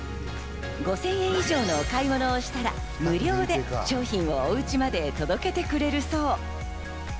５０００円以上のお買い物をしたら無料で商品をお家まで届けてくれるそう。